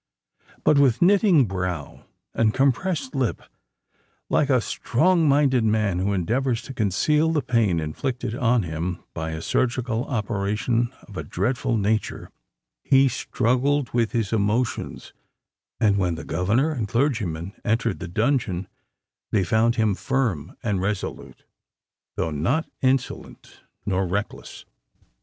But, with knitting brow and compressed lip—like a strong minded man who endeavours to conceal the pain inflicted on him by a surgical operation of a dreadful nature—he struggled with his emotions; and, when the governor and clergyman entered the dungeon, they found him firm and resolute, though not insolent nor reckless.